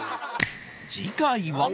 次回は